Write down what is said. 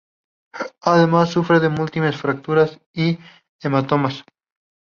Además, sufre de múltiples fracturas y hematomas.